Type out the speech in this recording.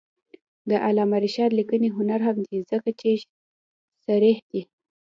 د علامه رشاد لیکنی هنر مهم دی ځکه چې صریح دی.